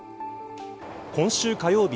今週火曜日